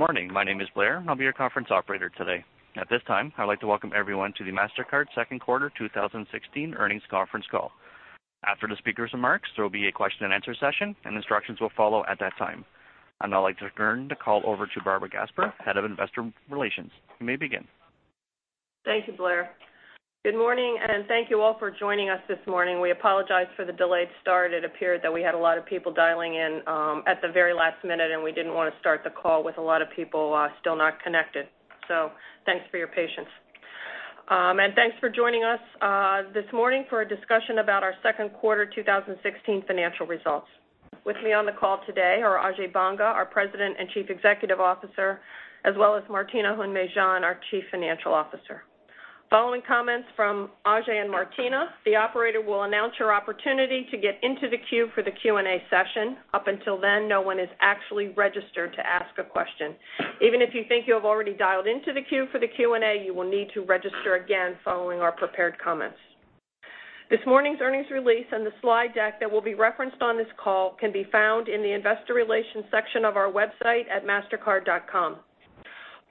Good morning. My name is Blair, and I'll be your conference operator today. At this time, I'd like to welcome everyone to the Mastercard second quarter 2016 earnings conference call. After the speakers' remarks, there will be a question and answer session, and instructions will follow at that time. I'd now like to turn the call over to Barbara Gasper, Head of Investor Relations. You may begin. Thank you, Blair. Good morning, and thank you all for joining us this morning. We apologize for the delayed start. It appeared that we had a lot of people dialing in at the very last minute, and we didn't want to start the call with a lot of people still not connected. Thanks for your patience. Thanks for joining us this morning for a discussion about our second quarter 2016 financial results. With me on the call today are Ajay Banga, our President and Chief Executive Officer, as well as Martina Hund-Mejean, our Chief Financial Officer. Following comments from Ajay and Martina, the operator will announce your opportunity to get into the queue for the Q&A session. Up until then, no one is actually registered to ask a question. Even if you think you have already dialed into the queue for the Q&A, you will need to register again following our prepared comments. This morning's earnings release and the slide deck that will be referenced on this call can be found in the investor relations section of our website at mastercard.com.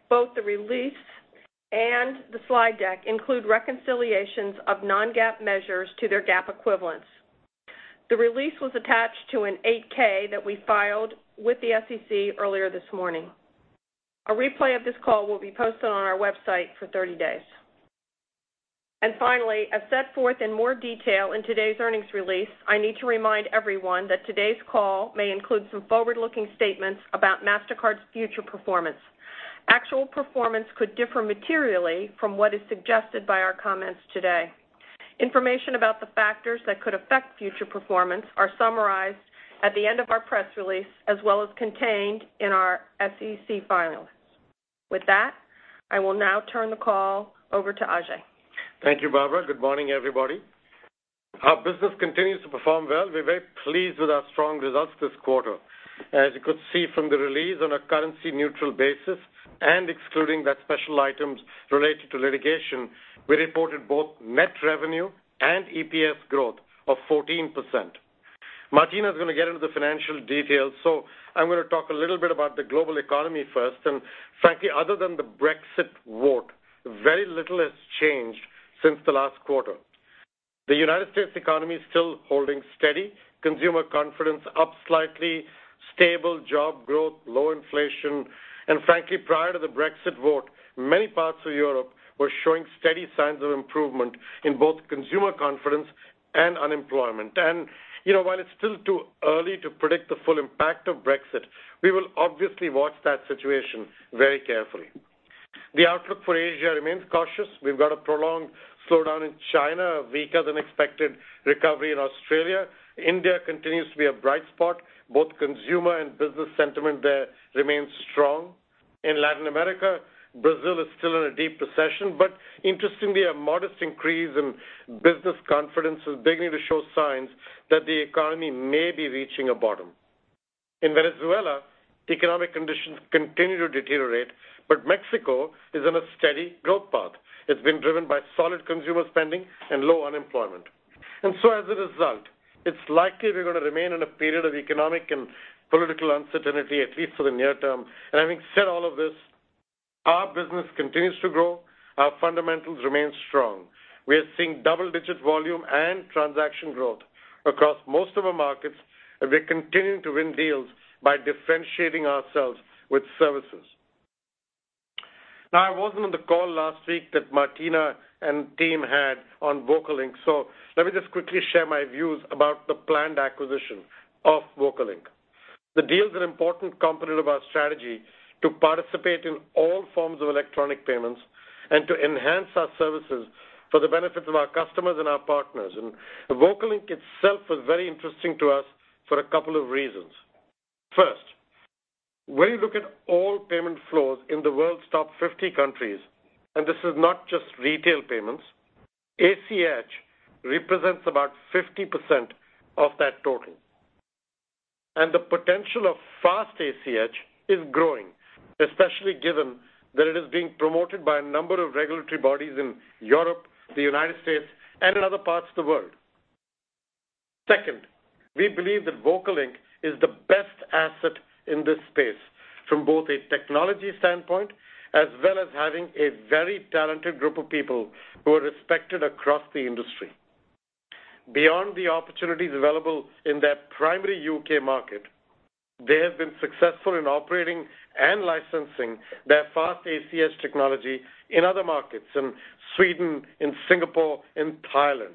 Both the release and the slide deck include reconciliations of non-GAAP measures to their GAAP equivalents. The release was attached to an 8-K that we filed with the SEC earlier this morning. A replay of this call will be posted on our website for 30 days. Finally, as set forth in more detail in today's earnings release, I need to remind everyone that today's call may include some forward-looking statements about Mastercard's future performance. Actual performance could differ materially from what is suggested by our comments today. Information about the factors that could affect future performance are summarized at the end of our press release, as well as contained in our SEC filings. With that, I will now turn the call over to Ajay. Thank you, Barbara. Good morning, everybody. Our business continues to perform well. We're very pleased with our strong results this quarter. As you could see from the release on a currency-neutral basis and excluding that special items related to litigation, we reported both net revenue and EPS growth of 14%. Martina is going to get into the financial details, so I'm going to talk a little bit about the global economy first. Frankly, other than the Brexit vote, very little has changed since the last quarter. The U.S. economy is still holding steady, consumer confidence up slightly, stable job growth, low inflation. Frankly, prior to the Brexit vote, many parts of Europe were showing steady signs of improvement in both consumer confidence and unemployment. While it's still too early to predict the full impact of Brexit, we will obviously watch that situation very carefully. The outlook for Asia remains cautious. We've got a prolonged slowdown in China, weaker-than-expected recovery in Australia. India continues to be a bright spot. Both consumer and business sentiment there remains strong. In Latin America, Brazil is still in a deep recession, but interestingly, a modest increase in business confidence is beginning to show signs that the economy may be reaching a bottom. In Venezuela, economic conditions continue to deteriorate, but Mexico is on a steady growth path. It's been driven by solid consumer spending and low unemployment. As a result, it's likely we're going to remain in a period of economic and political uncertainty, at least for the near term. Having said all of this, our business continues to grow. Our fundamentals remain strong. We are seeing double-digit volume and transaction growth across most of our markets, and we're continuing to win deals by differentiating ourselves with services. Now, I wasn't on the call last week that Martina and team had on VocaLink, so let me just quickly share my views about the planned acquisition of VocaLink. The deal is an important component of our strategy to participate in all forms of electronic payments and to enhance our services for the benefit of our customers and our partners. VocaLink itself was very interesting to us for a couple of reasons. First, when you look at all payment flows in the world's top 50 countries, and this is not just retail payments, ACH represents about 50% of that total. The potential of fast ACH is growing, especially given that it is being promoted by a number of regulatory bodies in Europe, the U.S., and in other parts of the world. Second, we believe that VocaLink is the best asset in this space from both a technology standpoint as well as having a very talented group of people who are respected across the industry. Beyond the opportunities available in their primary U.K. market, they have been successful in operating and licensing their fast ACH technology in other markets, in Sweden, in Singapore, in Thailand.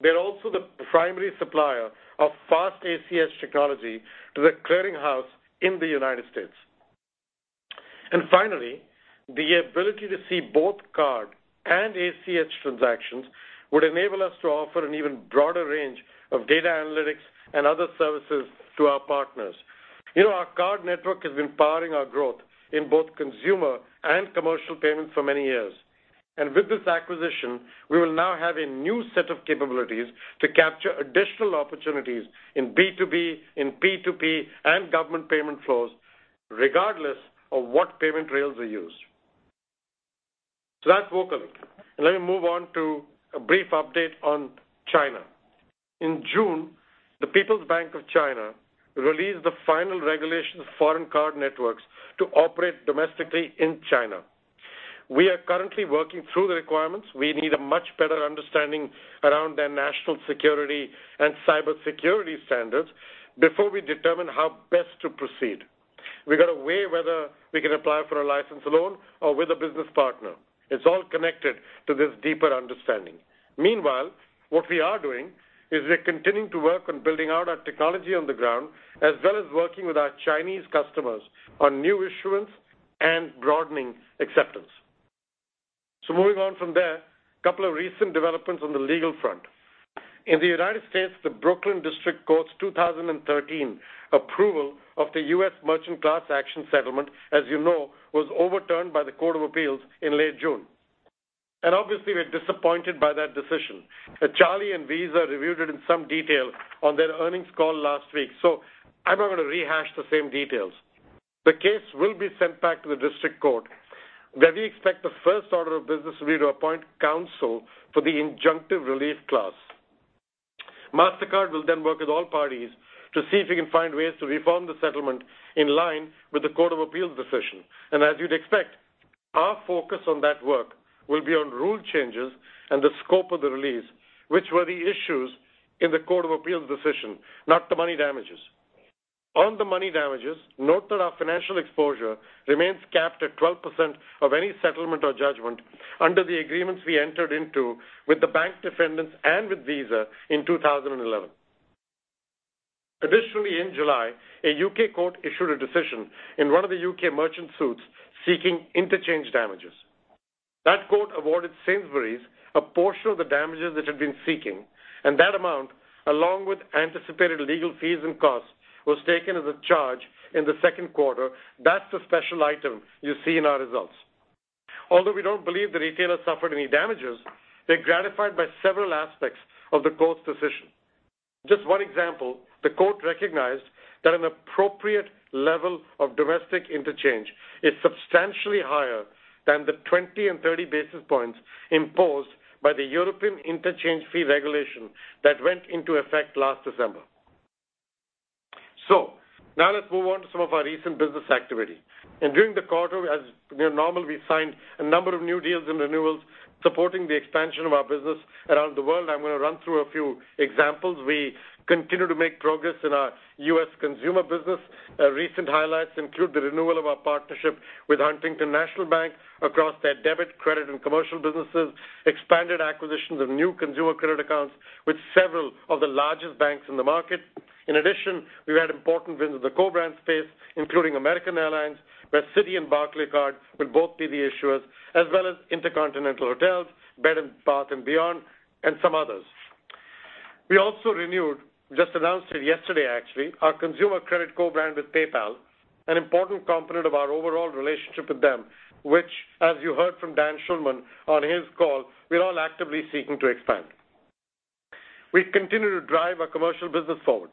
They're also the primary supplier of fast ACH technology to The Clearing House in the U.S. Finally, the ability to see both card and ACH transactions would enable us to offer an even broader range of data analytics and other services to our partners. Our card network has been powering our growth in both consumer and commercial payments for many years. With this acquisition, we will now have a new set of capabilities to capture additional opportunities in B2B, in P2P, and government payment flows regardless of what payment rails are used. That's VocaLink. Let me move on to a brief update on China. In June, the People's Bank of China released the final regulation of foreign card networks to operate domestically in China. We are currently working through the requirements. We need a much better understanding around their national security and cybersecurity standards before we determine how best to proceed. We've got to weigh whether we can apply for a license alone or with a business partner. It's all connected to this deeper understanding. Meanwhile, what we are doing is we're continuing to work on building out our technology on the ground, as well as working with our Chinese customers on new issuance and broadening acceptance. Moving on from there, a couple of recent developments on the legal front. In the United States, the Brooklyn District Court's 2013 approval of the U.S. merchant class action settlement, as you know, was overturned by the Court of Appeals in late June. Obviously, we're disappointed by that decision. Charlie and Visa reviewed it in some detail on their earnings call last week, I'm not going to rehash the same details. The case will be sent back to the district court, where we expect the first order of business will be to appoint counsel for the injunctive relief class. Mastercard will work with all parties to see if we can find ways to reform the settlement in line with the Court of Appeals decision. As you'd expect, our focus on that work will be on rule changes and the scope of the release, which were the issues in the Court of Appeals decision, not the money damages. On the money damages, note that our financial exposure remains capped at 12% of any settlement or judgment under the agreements we entered into with the bank defendants and with Visa in 2011. Additionally, in July, a U.K. court issued a decision in one of the U.K. merchant suits seeking interchange damages. That court awarded Sainsbury's a portion of the damages it had been seeking, and that amount, along with anticipated legal fees and costs, was taken as a charge in the second quarter. That's the special item you see in our results. Although we don't believe the retailer suffered any damages, they're gratified by several aspects of the court's decision. Just one example, the court recognized that an appropriate level of domestic interchange is substantially higher than the 20 and 30 basis points imposed by the European Interchange Fee regulation that went into effect last December. Now let's move on to some of our recent business activity. During the quarter, as normal, we signed a number of new deals and renewals supporting the expansion of our business around the world. I'm going to run through a few examples. We continue to make progress in our U.S. consumer business. Recent highlights include the renewal of our partnership with Huntington National Bank across their debit, credit, and commercial businesses, expanded acquisitions of new consumer credit accounts with several of the largest banks in the market. In addition, we've had important wins in the co-brand space, including American Airlines, where Citi and Barclaycard will both be the issuers, as well as InterContinental Hotels, Bed Bath & Beyond, and some others. We also renewed, just announced it yesterday actually, our consumer credit co-brand with PayPal, an important component of our overall relationship with them, which, as you heard from Dan Schulman on his call, we're all actively seeking to expand. We continue to drive our commercial business forward.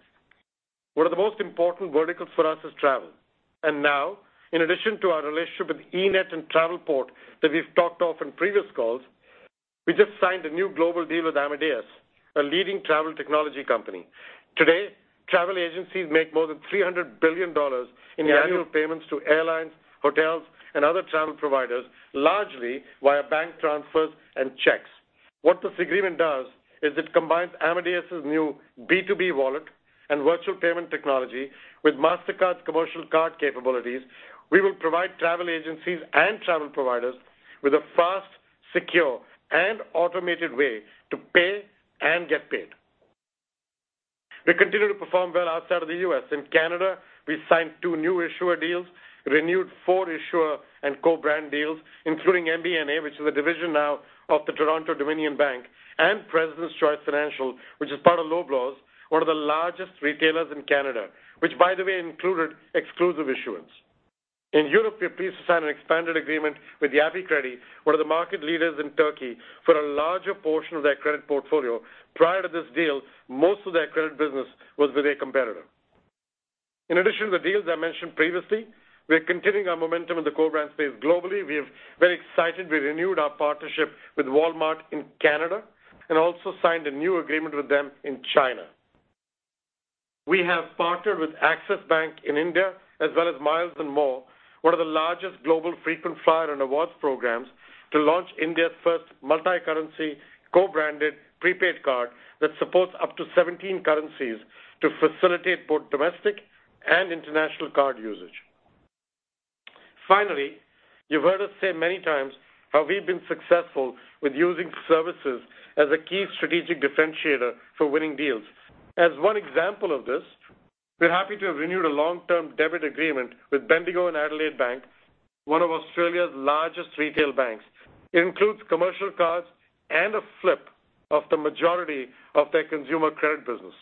One of the most important verticals for us is travel. Now, in addition to our relationship with eNett and Travelport that we've talked of in previous calls, we just signed a new global deal with Amadeus, a leading travel technology company. Today, travel agencies make more than $300 billion in annual payments to airlines, hotels, and other travel providers, largely via bank transfers and checks. What this agreement does is it combines Amadeus' new B2B wallet and virtual payment technology with Mastercard's commercial card capabilities. We will provide travel agencies and travel providers with a fast, secure, and automated way to pay and get paid. We continue to perform well outside of the U.S. In Canada, we signed two new issuer deals, renewed four issuer and co-brand deals, including MBNA, which is a division now of The Toronto-Dominion Bank, and President's Choice Financial, which is part of Loblaws, one of the largest retailers in Canada, which by the way included exclusive issuance. In Europe, we're pleased to sign an expanded agreement with Yapı Kredi, one of the market leaders in Turkey, for a larger portion of their credit portfolio. Prior to this deal, most of their credit business was with a competitor. In addition to the deals I mentioned previously, we're continuing our momentum in the co-brand space globally. We're very excited we renewed our partnership with Walmart in Canada and also signed a new agreement with them in China. We have partnered with Axis Bank in India as well as Miles & More, one of the largest global frequent flyer and awards programs, to launch India's first multi-currency co-branded prepaid card that supports up to 17 currencies to facilitate both domestic and international card usage. Finally, you've heard us say many times how we've been successful with using services as a key strategic differentiator for winning deals. As one example of this, we're happy to have renewed a long-term debit agreement with Bendigo and Adelaide Bank, one of Australia's largest retail banks. It includes commercial cards and a flip of the majority of their consumer credit business.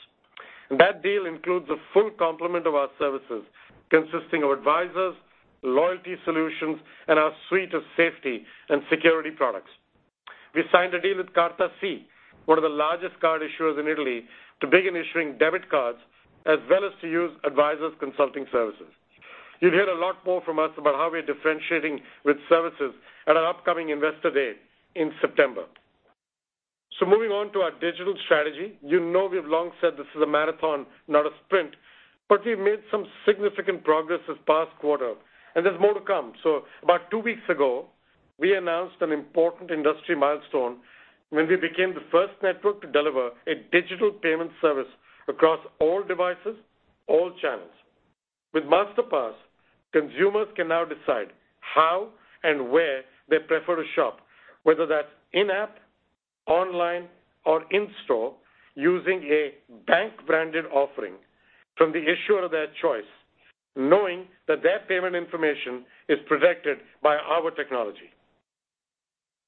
That deal includes a full complement of our services consisting of Advisors, loyalty solutions, and our suite of safety and security products. We signed a deal with CartaSì, one of the largest card issuers in Italy, to begin issuing debit cards as well as to use Advisors consulting services. You'll hear a lot more from us about how we're differentiating with services at our upcoming Investor Day in September. Moving on to our digital strategy. You know we've long said this is a marathon, not a sprint, but we've made some significant progress this past quarter, and there's more to come. About two weeks ago, we announced an important industry milestone when we became the first network to deliver a digital payment service across all devices, all channels. With Masterpass, consumers can now decide how and where they prefer to shop, whether that's in-app, online, or in-store, using a bank-branded offering from the issuer of their choice, knowing that their payment information is protected by our technology.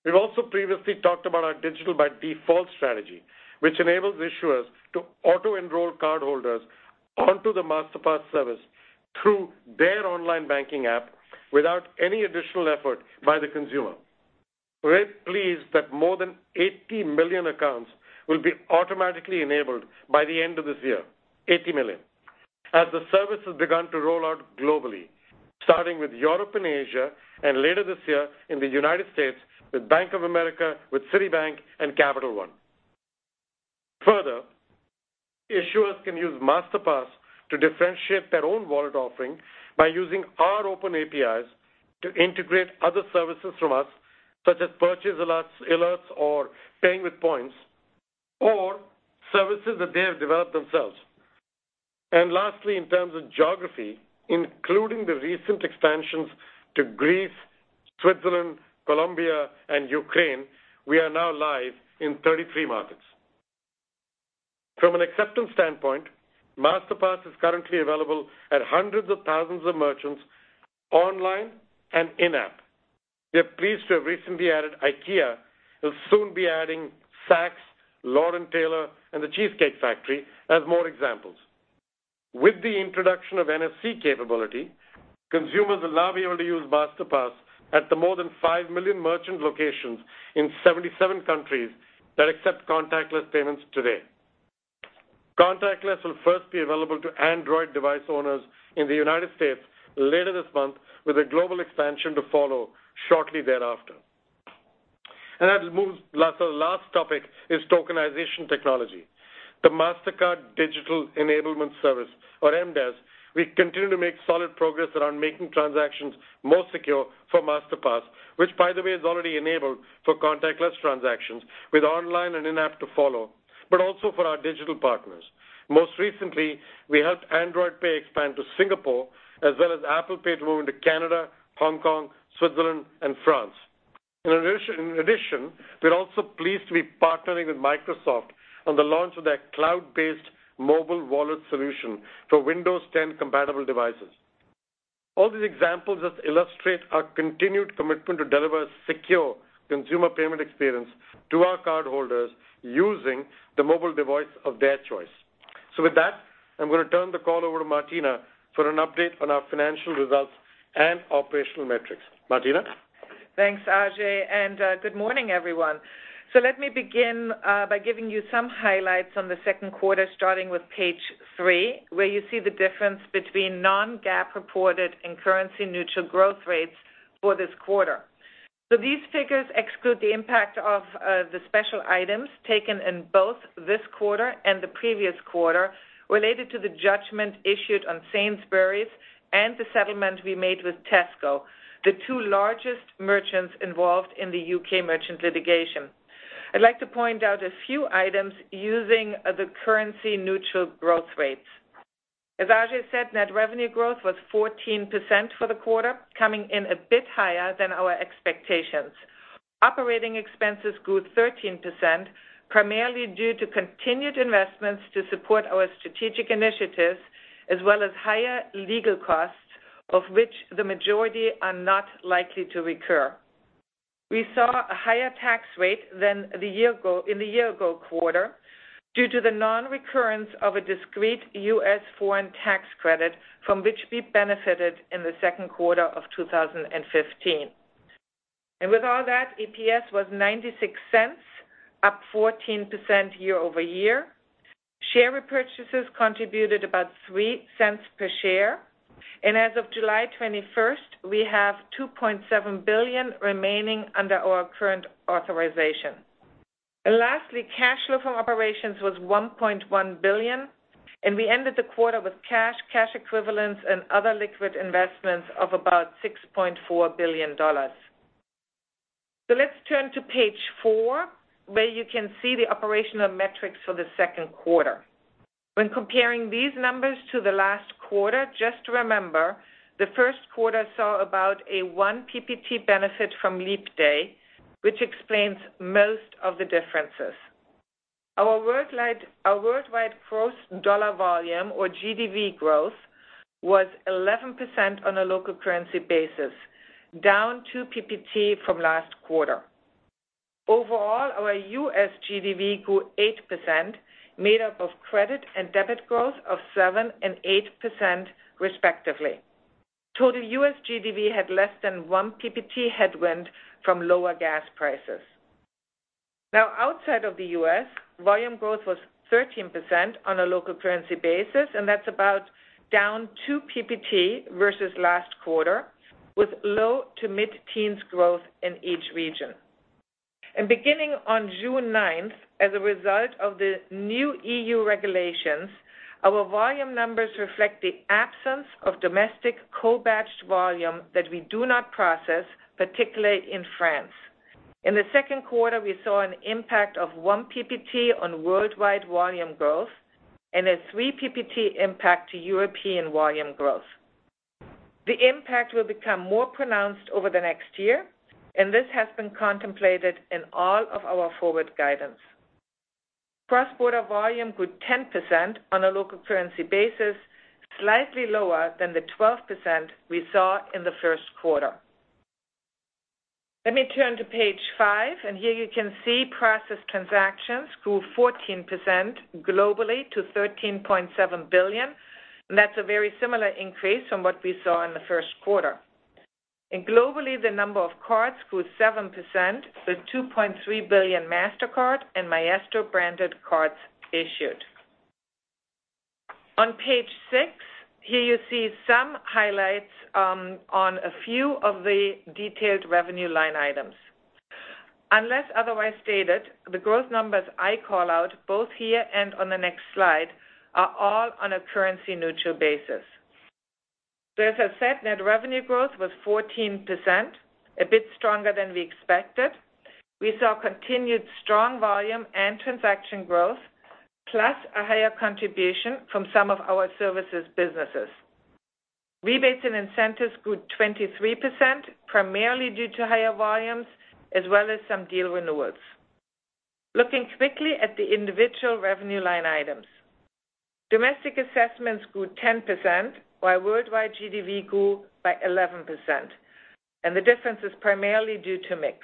We've also previously talked about our digital by default strategy, which enables issuers to auto-enroll cardholders onto the Masterpass service through their online banking app without any additional effort by the consumer. We're pleased that more than 80 million accounts will be automatically enabled by the end of this year, 80 million. As the service has begun to roll out globally, starting with Europe and Asia and later this year in the U.S. with Bank of America, with Citibank, and Capital One. Further, issuers can use Masterpass to differentiate their own wallet offering by using our open APIs to integrate other services from us, such as purchase alerts or paying with points, or services that they have developed themselves. Lastly, in terms of geography, including the recent expansions to Greece, Switzerland, Colombia, and Ukraine, we are now live in 33 markets. From an acceptance standpoint, Masterpass is currently available at hundreds of thousands of merchants online and in-app. We are pleased to have recently added IKEA and will soon be adding Saks, Lord & Taylor, and The Cheesecake Factory as more examples. With the introduction of NFC capability, consumers will now be able to use Masterpass at the more than 5 million merchant locations in 77 countries that accept contactless payments today. Contactless will first be available to Android device owners in the U.S. later this month, with a global expansion to follow shortly thereafter. As we move, the last topic is tokenization technology. The Mastercard Digital Enablement Service, or MDES. We continue to make solid progress around making transactions more secure for Masterpass, which, by the way, is already enabled for contactless transactions with online and in-app to follow, but also for our digital partners. Most recently, we helped Android Pay expand to Singapore as well as Apple Pay to move into Canada, Hong Kong, Switzerland, and France. In addition, we're also pleased to be partnering with Microsoft on the launch of their cloud-based mobile wallet solution for Windows 10-compatible devices. All these examples just illustrate our continued commitment to deliver a secure consumer payment experience to our cardholders using the mobile device of their choice. With that, I'm going to turn the call over to Martina for an update on our financial results and operational metrics. Martina? Thanks, Ajay, good morning, everyone. Let me begin by giving you some highlights on the second quarter, starting with page three, where you see the difference between non-GAAP-reported and currency-neutral growth rates for this quarter. These figures exclude the impact of the special items taken in both this quarter and the previous quarter related to the judgment issued on Sainsbury's and the settlement we made with Tesco, the two largest merchants involved in the U.K. merchant litigation. I'd like to point out a few items using the currency-neutral growth rates. As Ajay said, net revenue growth was 14% for the quarter, coming in a bit higher than our expectations. Operating expenses grew 13%, primarily due to continued investments to support our strategic initiatives as well as higher legal costs, of which the majority are not likely to recur. We saw a higher tax rate than in the year-ago quarter due to the non-recurrence of a discrete U.S. foreign tax credit from which we benefited in the second quarter of 2015. With all that, EPS was $0.96, up 14% year-over-year. Share repurchases contributed about $0.03 per share. As of July 21st, we have $2.7 billion remaining under our current authorization. Lastly, cash flow from operations was $1.1 billion, and we ended the quarter with cash equivalents, and other liquid investments of about $6.4 billion. Let's turn to page four, where you can see the operational metrics for the second quarter. When comparing these numbers to the last quarter, just remember the first quarter saw about a one PPT benefit from Leap Day, which explains most of the differences. Our worldwide gross dollar volume or GDV growth was 11% on a local currency basis, down two PPT from last quarter. Overall, our U.S. GDV grew 8%, made up of credit and debit growth of 7% and 8% respectively. Total U.S. GDV had less than one PPT headwind from lower gas prices. Outside of the U.S., volume growth was 13% on a local currency basis, and that's about down two PPT versus last quarter, with low to mid-teens growth in each region. Beginning on June 9th, as a result of the new EU regulations, our volume numbers reflect the absence of domestic co-badged volume that we do not process, particularly in France. In the second quarter, we saw an impact of one PPT on worldwide volume growth and a three PPT impact to European volume growth. The impact will become more pronounced over the next year, this has been contemplated in all of our forward guidance. Cross-border volume grew 10% on a local currency basis, slightly lower than the 12% we saw in the first quarter. Let me turn to page five, here you can see processed transactions grew 14% globally to $13.7 billion, and that's a very similar increase from what we saw in the first quarter. Globally, the number of cards grew 7%, with 2.3 billion Mastercard and Maestro branded cards issued. On page six, here you see some highlights on a few of the detailed revenue line items. Unless otherwise stated, the growth numbers I call out, both here and on the next slide, are all on a currency-neutral basis. As I said, net revenue growth was 14%, a bit stronger than we expected. We saw continued strong volume and transaction growth, plus a higher contribution from some of our services businesses. Rebates and incentives grew 23%, primarily due to higher volumes as well as some deal renewals. Looking quickly at the individual revenue line items. Domestic assessments grew 10%, while worldwide GDV grew by 11%, and the difference is primarily due to mix.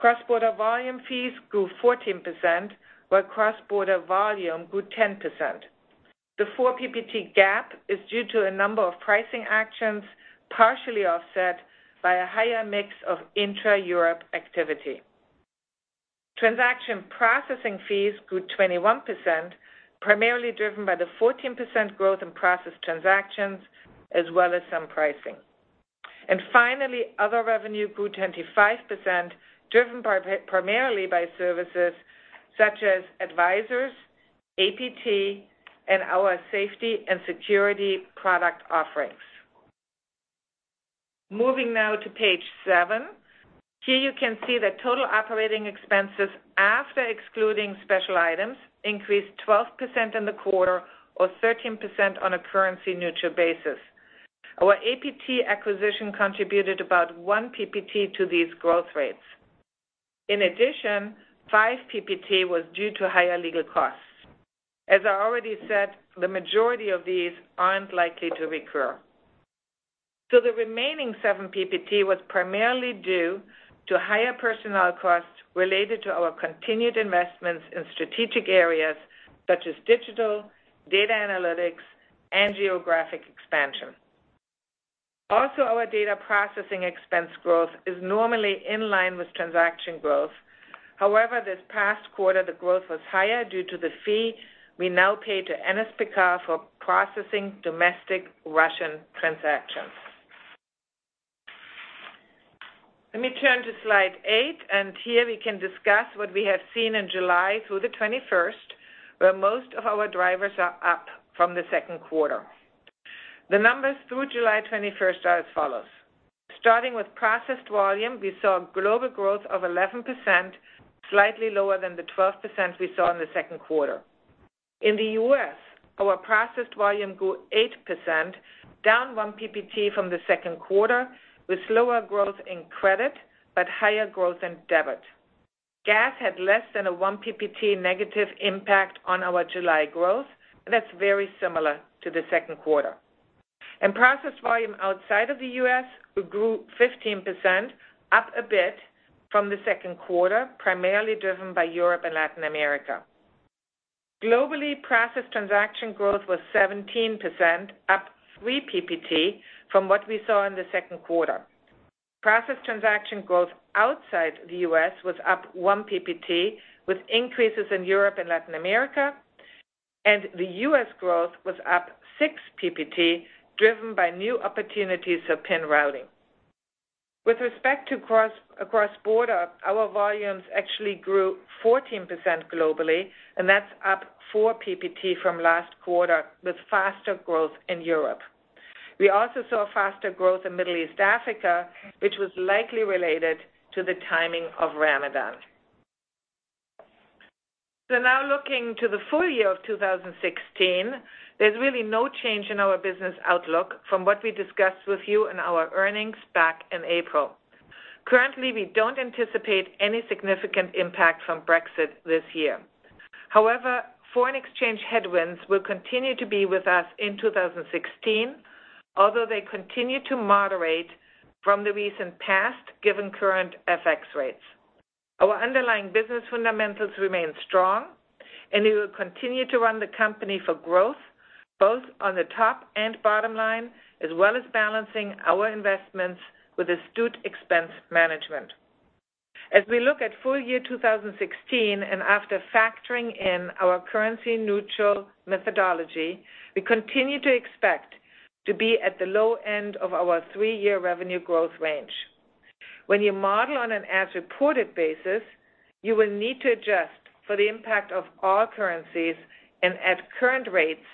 Cross-border volume fees grew 14%, while cross-border volume grew 10%. The 4 PPT gap is due to a number of pricing actions, partially offset by a higher mix of intra-Europe activity. Transaction processing fees grew 21%, primarily driven by the 14% growth in processed transactions, as well as some pricing. Finally, other revenue grew 25%, driven primarily by services such as Advisors, APT, and our safety and security product offerings. Moving now to page seven. Here you can see that total operating expenses after excluding special items increased 12% in the quarter or 13% on a currency-neutral basis. Our APT acquisition contributed about 1 PPT to these growth rates. In addition, 5 PPT was due to higher legal costs. As I already said, the majority of these aren't likely to recur. The remaining 7 PPT was primarily due to higher personnel costs related to our continued investments in strategic areas such as digital, data analytics, and geographic expansion. Also, our data processing expense growth is normally in line with transaction growth. However, this past quarter the growth was higher due to the fee we now pay to NSPK for processing domestic Russian transactions. Let me turn to slide eight, and here we can discuss what we have seen in July through the 21st, where most of our drivers are up from the second quarter. The numbers through July 21st are as follows. Starting with processed volume, we saw global growth of 11%, slightly lower than the 12% we saw in the second quarter. In the U.S., our processed volume grew 8%, down 1 PPT from the second quarter, with slower growth in credit but higher growth in debit. Gas had less than a 1 PPT negative impact on our July growth. That's very similar to the second quarter. Processed volume outside of the U.S. grew 15%, up a bit from the second quarter, primarily driven by Europe and Latin America. Globally, processed transaction growth was 17%, up 3 PPT from what we saw in the second quarter. Processed transaction growth outside the U.S. was up 1 PPT, with increases in Europe and Latin America, and the U.S. growth was up 6 PPT, driven by new opportunities of PIN routing. With respect to cross-border, our volumes actually grew 14% globally, and that's up 4 PPT from last quarter, with faster growth in Europe. We also saw faster growth in Middle East Africa, which was likely related to the timing of Ramadan. Now looking to the full year of 2016, there's really no change in our business outlook from what we discussed with you in our earnings back in April. Currently, we don't anticipate any significant impact from Brexit this year. However, foreign exchange headwinds will continue to be with us in 2016, although they continue to moderate from the recent past given current FX rates. Our underlying business fundamentals remain strong, and we will continue to run the company for growth both on the top and bottom line, as well as balancing our investments with astute expense management. As we look at full year 2016 and after factoring in our currency neutral methodology, we continue to expect to be at the low end of our three-year revenue growth range. When you model on an as-reported basis, you will need to adjust for the impact of all currencies. At current rates,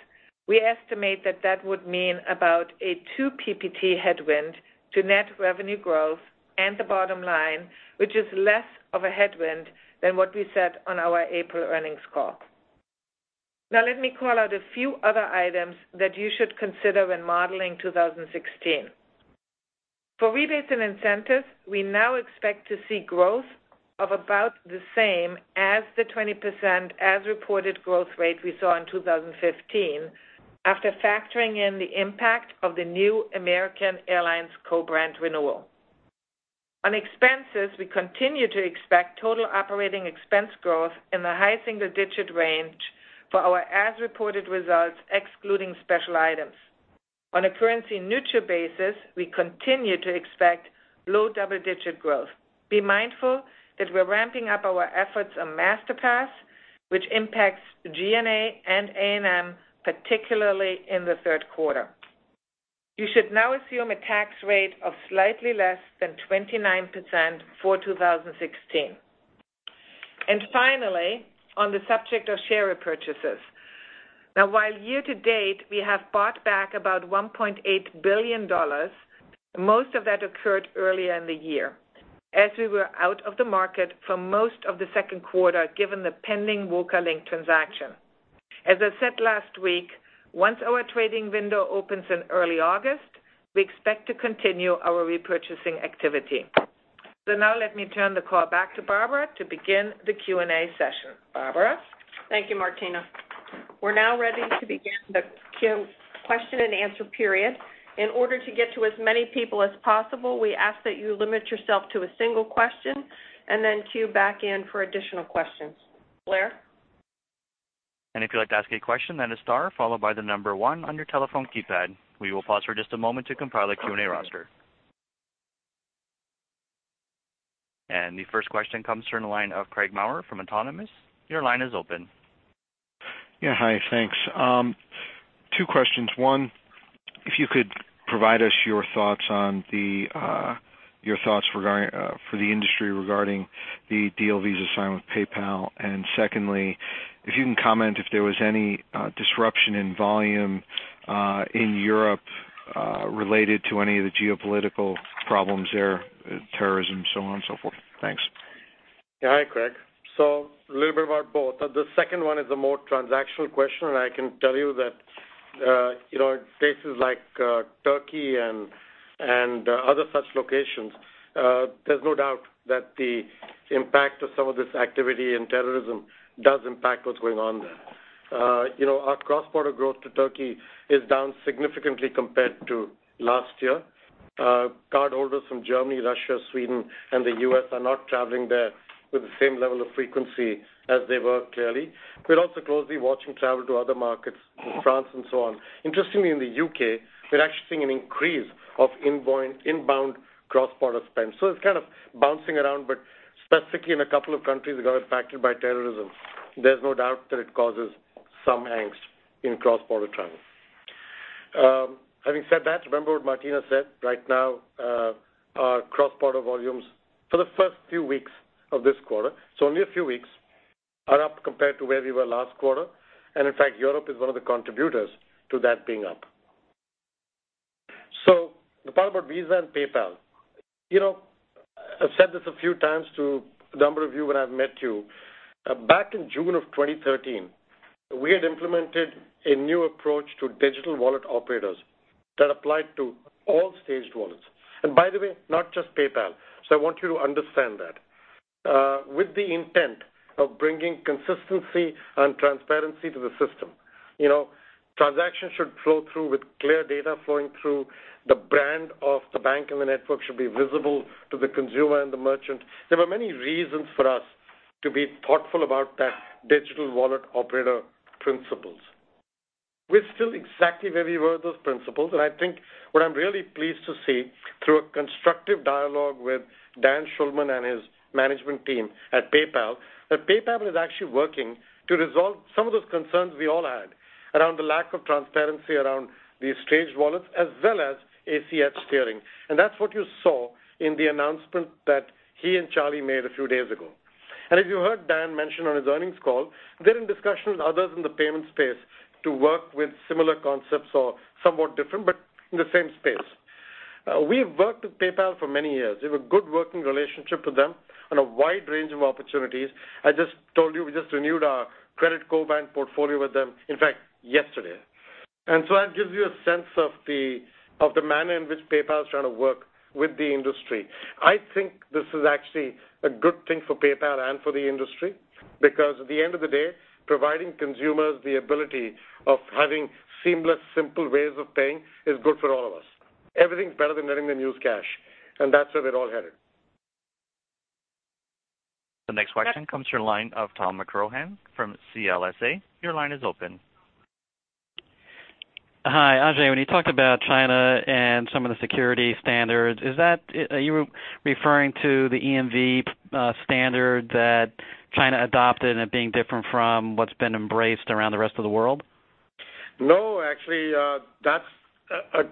we estimate that that would mean about a two PPT headwind to net revenue growth and the bottom line, which is less of a headwind than what we said on our April earnings call. Let me call out a few other items that you should consider when modeling 2016. For rebates and incentives, we now expect to see growth of about the same as the 20% as-reported growth rate we saw in 2015 after factoring in the impact of the new American Airlines co-brand renewal. On expenses, we continue to expect total operating expense growth in the high single-digit range for our as-reported results excluding special items. On a currency-neutral basis, we continue to expect low double-digit growth. Be mindful that we're ramping up our efforts on Masterpass, which impacts G&A and A&M, particularly in the third quarter. You should now assume a tax rate of slightly less than 29% for 2016. Finally, on the subject of share repurchases. While year to date, we have bought back about $1.8 billion, most of that occurred earlier in the year as we were out of the market for most of the second quarter given the pending VocaLink transaction. As I said last week, once our trading window opens in early August, we expect to continue our repurchasing activity. Let me turn the call back to Barbara to begin the Q&A session. Barbara? Thank you, Martina. We're now ready to begin the question and answer period. In order to get to as many people as possible, we ask that you limit yourself to a single question and then queue back in for additional questions. Blair? If you'd like to ask a question, then a star followed by the number 1 on your telephone keypad. We will pause for just a moment to compile a Q&A roster. The first question comes from the line of Craig Maurer from Autonomous. Your line is open. Yeah. Hi. Thanks. Two questions. One, if you could provide us your thoughts for the industry regarding the deal Visa signed with PayPal. Secondly, if you can comment if there was any disruption in volume in Europe related to any of the geopolitical problems there, terrorism, so on and so forth. Thanks. Yeah. Hi, Craig. A little bit about both. The second one is a more transactional question, and I can tell you that places like Turkey and other such locations, there's no doubt that the impact of some of this activity and terrorism does impact what's going on there. Our cross-border growth to Turkey is down significantly compared to last year. Cardholders from Germany, Russia, Sweden, and the U.S. are not traveling there with the same level of frequency as they were, clearly. We're also closely watching travel to other markets, France and so on. Interestingly, in the U.K., we're actually seeing an increase of inbound cross-border spend. It's kind of bouncing around, but specifically in a couple of countries that got impacted by terrorism, there's no doubt that it causes some angst in cross-border travel. Having said that, remember what Martina said. Right now our cross-border volumes for the first few weeks of this quarter, so only a few weeks, are up compared to where we were last quarter. In fact, Europe is one of the contributors to that being up. The part about Visa and PayPal. I've said this a few times to a number of you when I've met you. Back in June of 2013, we had implemented a new approach to digital wallet operators that applied to all staged wallets. By the way, not just PayPal. I want you to understand that. With the intent of bringing consistency and transparency to the system. Transactions should flow through with clear data flowing through the brand of the bank, and the network should be visible to the consumer and the merchant. There were many reasons for us to be thoughtful about the digital wallet operator principles. We're still exactly where we were with those principles, I think what I'm really pleased to see through a constructive dialogue with Dan Schulman and his management team at PayPal, that PayPal is actually working to resolve some of those concerns we all had around the lack of transparency around these staged wallets, as well as ACH steering. That's what you saw in the announcement that he and Charlie made a few days ago. If you heard Dan mention on his earnings call, they're in discussions with others in the payment space to work with similar concepts or somewhat different, but in the same space. We've worked with PayPal for many years. We have a good working relationship with them on a wide range of opportunities. I just told you we just renewed our credit co-brand portfolio with them, in fact, yesterday. that gives you a sense of the manner in which PayPal is trying to work with the industry. I think this is actually a good thing for PayPal and for the industry because at the end of the day, providing consumers the ability of having seamless, simple ways of paying is good for all of us. Everything's better than letting them use cash, and that's where they're all headed. The next question comes from the line of Tom McCrohan from CLSA. Your line is open. Hi. Ajay, when you talked about China and some of the security standards, are you referring to the EMV standard that China adopted and it being different from what's been embraced around the rest of the world? No, actually, that's a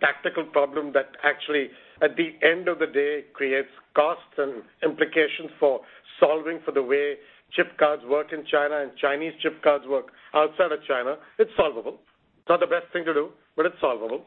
tactical problem that actually, at the end of the day, creates costs and implications for solving for the way chip cards work in China and Chinese chip cards work outside of China. It's solvable. It's not the best thing to do, but it's solvable.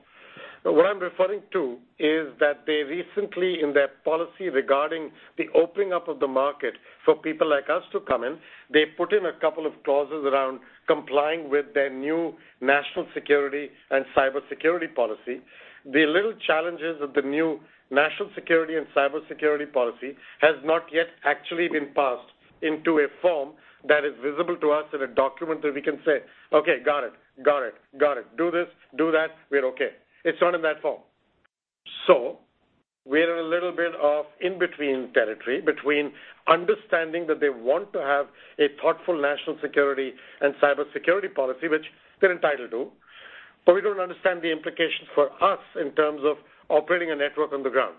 What I'm referring to is that they recently, in their policy regarding the opening up of the market for people like us to come in, they put in a couple of clauses around complying with their new national security and cybersecurity policy. The little challenges of the new national security and cybersecurity policy has not yet actually been passed into a form that is visible to us in a document that we can say, "Okay, got it, got it, got it. Do this, do that. We're okay." It's not in that form. We're in a little bit of in-between territory, between understanding that they want to have a thoughtful national security and cybersecurity policy, which they're entitled to, we don't understand the implications for us in terms of operating a network on the ground.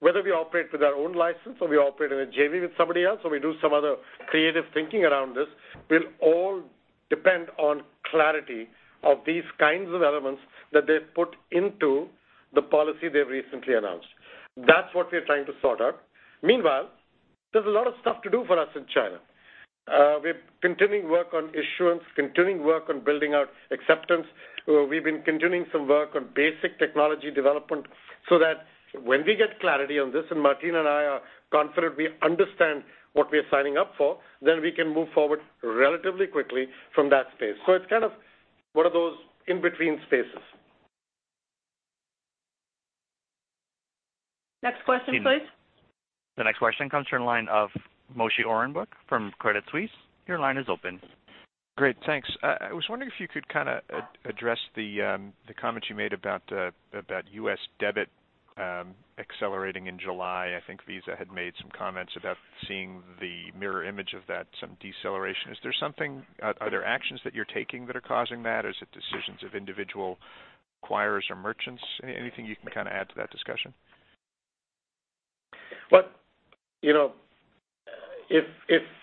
Whether we operate with our own license or we operate in a JV with somebody else, or we do some other creative thinking around this, will all depend on clarity of these kinds of elements that they've put into the policy they've recently announced. That's what we're trying to sort out. Meanwhile, there's a lot of stuff to do for us in China. We're continuing work on issuance, continuing work on building out acceptance. We've been continuing some work on basic technology development so that when we get clarity on this, and Martina and I are confident we understand what we are signing up for, then we can move forward relatively quickly from that space. It's kind of one of those in-between spaces. Next question, please. The next question comes from the line of Moshe Orenbuch from Credit Suisse. Your line is open. Great. Thanks. I was wondering if you could address the comments you made about U.S. debit accelerating in July. I think Visa had made some comments about seeing the mirror image of that, some deceleration. Are there actions that you're taking that are causing that or is it decisions of individual acquirers or merchants? Anything you can add to that discussion? Well, if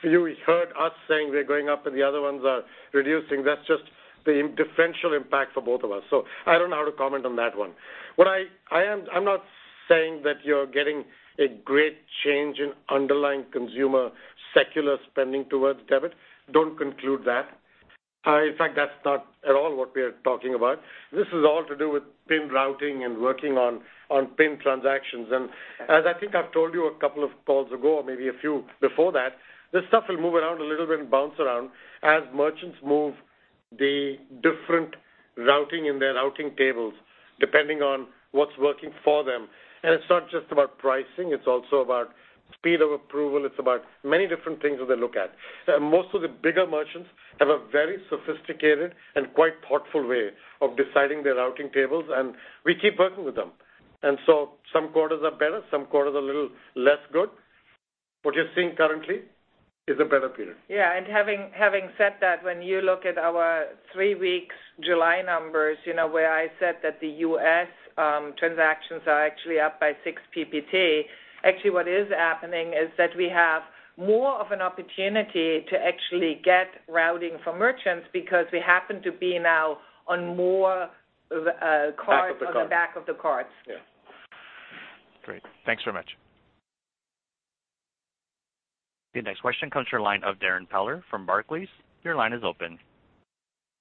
you heard us saying we're going up and the other ones are reducing, that's just the differential impact for both of us. I don't know how to comment on that one. I'm not saying that you're getting a great change in underlying consumer secular spending towards debit. Don't conclude that. In fact, that's not at all what we're talking about. This is all to do with PIN routing and working on PIN transactions. As I think I've told you a couple of calls ago, or maybe a few before that, this stuff will move around a little bit and bounce around as merchants move the different routing in their routing tables depending on what's working for them. It's not just about pricing, it's also about speed of approval. It's about many different things that they look at. Most of the bigger merchants have a very sophisticated and quite thoughtful way of deciding their routing tables, we keep working with them. Some quarters are better, some quarters are a little less good. What you're seeing currently is a better period. Yeah, having said that, when you look at our three weeks July numbers where I said that the U.S. transactions are actually up by six PPT, actually what is happening is that we have more of an opportunity to actually get routing from merchants because we happen to be now on more- Back of the cards on the back of the cards. Yeah. Great. Thanks very much. The next question comes from the line of Darrin Peller from Barclays. Your line is open.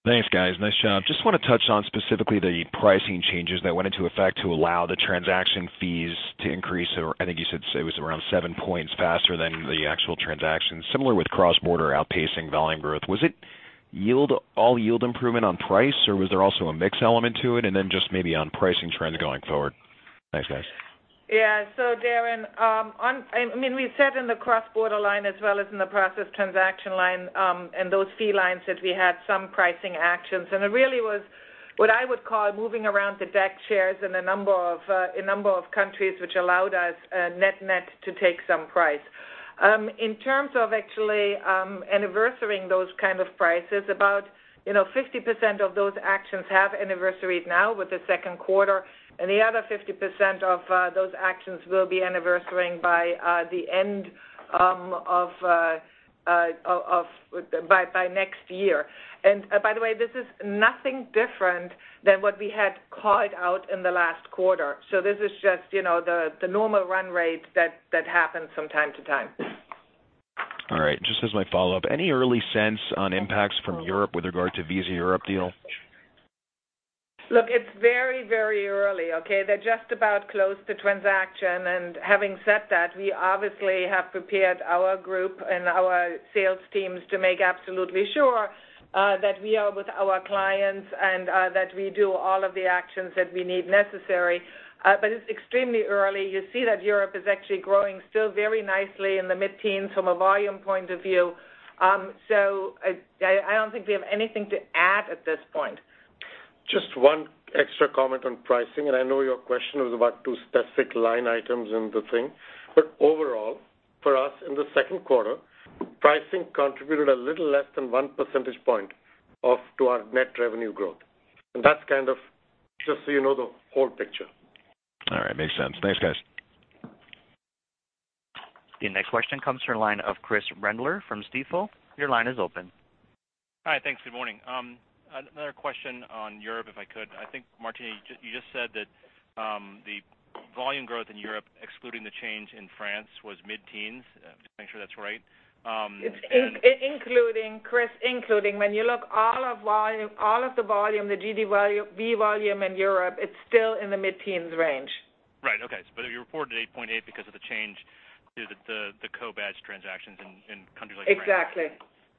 Thanks, guys. Nice job. Just want to touch on specifically the pricing changes that went into effect to allow the transaction fees to increase or I think you said it was around seven points faster than the actual transaction. Similar with cross-border outpacing volume growth. Was it all yield improvement on price or was there also a mix element to it? Just maybe on pricing trends going forward. Thanks, guys. Darrin, we said in the cross-border line as well as in the process transaction line, and those fee lines that we had some pricing actions, it really was what I would call moving around the deck chairs in a number of countries which allowed us net-net to take some price. In terms of actually anniversarying those kind of prices, about 50% of those actions have anniversaried now with the second quarter and the other 50% of those actions will be anniversarying by next year. By the way, this is nothing different than what we had called out in the last quarter. This is just the normal run rate that happens from time to time. Just as my follow-up, any early sense on impacts from Europe with regard to Visa Europe deal? It's very early. They're just about close the transaction, having said that, we obviously have prepared our group and our sales teams to make absolutely sure that we are with our clients and that we do all of the actions that we need necessary. It's extremely early. You see that Europe is actually growing still very nicely in the mid-teens from a volume point of view. I don't think we have anything to add at this point. Just one extra comment on pricing, I know your question was about two specific line items and the thing, overall, for us in the second quarter, pricing contributed a little less than one percentage point off to our net revenue growth. That's kind of just so you know the whole picture. All right. Makes sense. Thanks, guys. The next question comes from the line of Chris Brendler from Stifel. Your line is open. Hi. Thanks. Good morning. Another question on Europe, if I could. I think, Martina, you just said that the volume growth in Europe, excluding the change in France, was mid-teens. Just to make sure that's right. It's including, Chris. When you look all of the volume, the GDV volume in Europe, it's still in the mid-teens range. Okay. You reported 8.8 because of the change due to the co-badge transactions in countries like France. Exactly.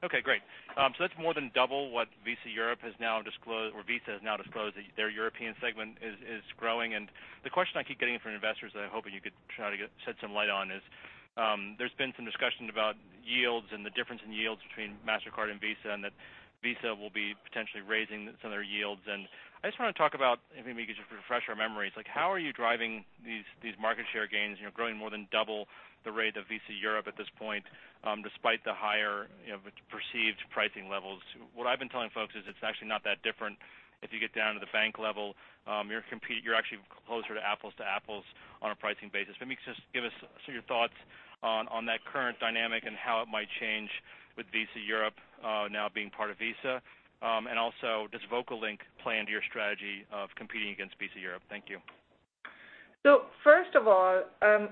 Okay, great. That's more than double what Visa Europe has now disclosed, or Visa has now disclosed that their European segment is growing. The question I keep getting from investors that I'm hoping you could try to shed some light on is, there's been some discussion about yields and the difference in yields between Mastercard and Visa and that Visa will be potentially raising some of their yields. I just want to talk about, maybe you could just refresh our memories. How are you driving these market share gains, growing more than double the rate of Visa Europe at this point, despite the higher perceived pricing levels? What I've been telling folks is it's actually not that different if you get down to the bank level. You're actually closer to apples to apples on a pricing basis. Maybe just give us your thoughts on that current dynamic and how it might change with Visa Europe now being part of Visa. Also, does VocaLink play into your strategy of competing against Visa Europe? Thank you. First of all,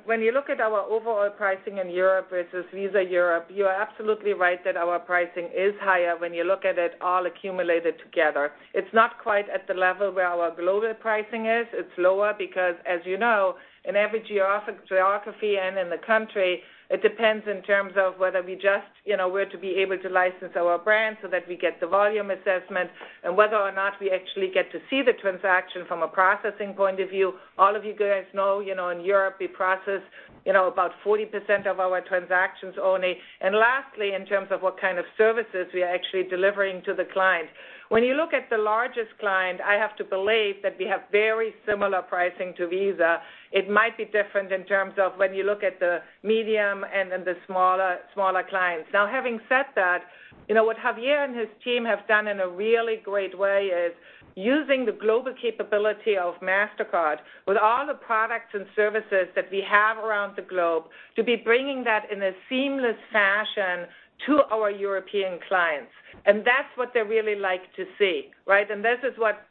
when you look at our overall pricing in Europe versus Visa Europe, you are absolutely right that our pricing is higher when you look at it all accumulated together. It's not quite at the level where our global pricing is. It's lower because, as you know, in every geography and in the country, it depends in terms of whether we just were to be able to license our brand so that we get the volume assessment and whether or not we actually get to see the transaction from a processing point of view. All of you guys know, in Europe, we process about 40% of our transactions only. Lastly, in terms of what kind of services we are actually delivering to the client. When you look at the largest client, I have to believe that we have very similar pricing to Visa. It might be different in terms of when you look at the medium and then the smaller clients. Now, having said that, what Javier and his team have done in a really great way is using the global capability of Mastercard with all the products and services that we have around the globe to be bringing that in a seamless fashion to our European clients. That's what they really like to see, right? This is what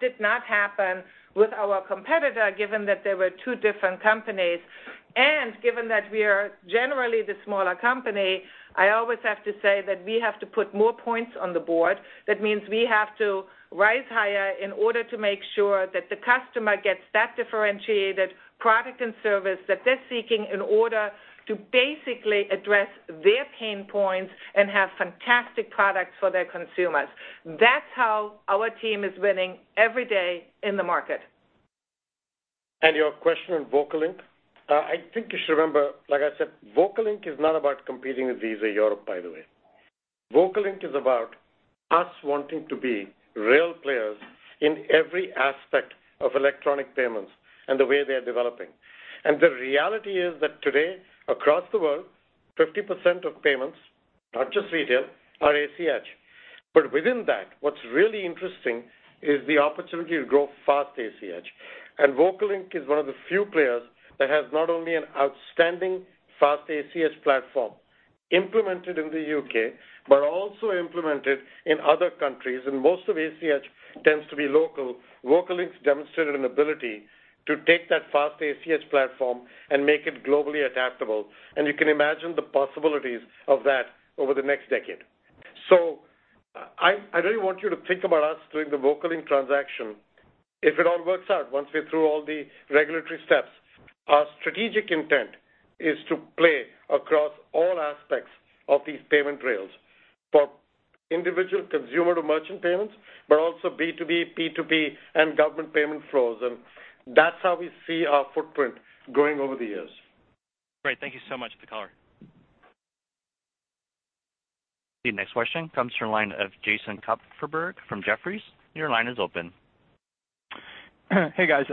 did not happen with our competitor, given that they were two different companies. Given that we are generally the smaller company, I always have to say that we have to put more points on the board. That means we have to rise higher in order to make sure that the customer gets that differentiated product and service that they're seeking in order to basically address their pain points and have fantastic products for their consumers. That's how our team is winning every day in the market. Your question on VocaLink. I think you should remember, like I said, VocaLink is not about competing with Visa Europe, by the way. VocaLink is about us wanting to be real players in every aspect of electronic payments and the way they are developing. The reality is that today, across the world, 50% of payments, not just retail, are ACH. Within that, what's really interesting is the opportunity to grow fast ACH. VocaLink is one of the few players that has not only an outstanding fast ACH platform implemented in the U.K., but also implemented in other countries. Most of ACH tends to be local. VocaLink's demonstrated an ability to take that fast ACH platform and make it globally adaptable. You can imagine the possibilities of that over the next decade. I really want you to think about us doing the VocaLink transaction. If it all works out, once we're through all the regulatory steps, our strategic intent is to play across all aspects of these payment rails for individual consumer-to-merchant payments, but also B2B, P2P, and government payment flows. That's how we see our footprint growing over the years. Great. Thank you so much for the color. The next question comes from the line of Jason Kupferberg from Jefferies. Your line is open. Hey, guys.